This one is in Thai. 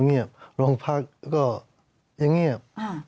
เงียบโรงพักก็ยังเงียบ